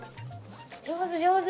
上手上手。